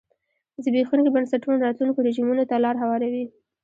زبېښونکي بنسټونه راتلونکو رژیمونو ته لار هواروي.